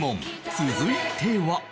続いては